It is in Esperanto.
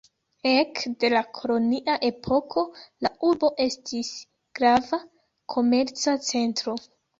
Ek de la kolonia epoko la urbo estis grava komerca centro.